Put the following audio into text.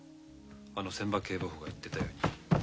あの仙波警部補が言ってたように。